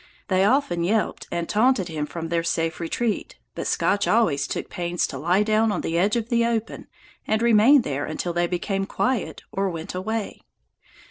They often yelped and taunted him from their safe retreat, but Scotch always took pains to lie down on the edge of the open and remain there until they became quiet or went away.